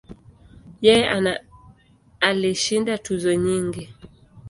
Yeye ana alishinda tuzo nyingi.